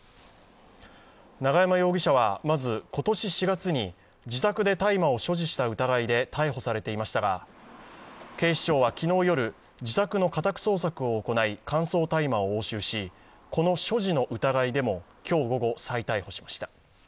永山容疑者はまず、今年４月に自宅で大麻を所持した疑いで逮捕されていましたが警視庁は昨日夜、自宅の家宅捜索を行い、乾燥大麻を押収し、この所持の疑いでも今日午後、再逮捕しました。